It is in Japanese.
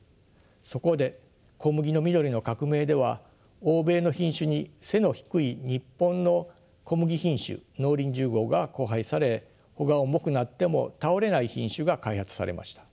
そこで小麦の緑の革命では欧米の品種に背の低い日本の小麦品種農林１０号が交配され穂が重くなっても倒れない品種が開発されました。